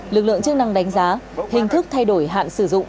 lực lượng chức năng đánh giá hình thức thay đổi hạn sử dụng